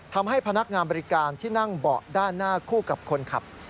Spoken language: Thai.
ทำให้พนักงานบริการที่นั่งเบาะด้านหน้าคู่กับคนขับ